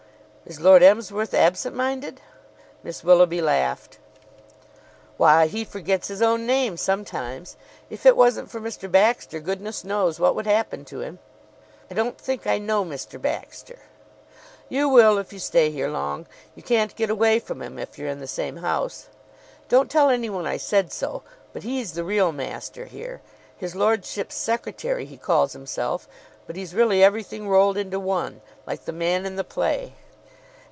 "Is Lord Emsworth absent minded?" Miss Willoughby laughed. "Why, he forgets his own name sometimes! If it wasn't for Mr. Baxter, goodness knows what would happen to him." "I don't think I know Mr. Baxter." "You will if you stay here long. You can't get away from him if you're in the same house. Don't tell anyone I said so; but he's the real master here. His lordship's secretary he calls himself; but he's really everything rolled into one like the man in the play."